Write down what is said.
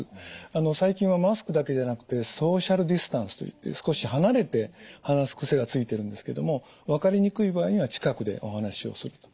あの最近はマスクだけじゃなくてソーシャルディスタンスといって少し離れて話す癖がついてるんですけども分かりにくい場合には近くでお話をすると。